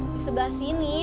di sebelah sini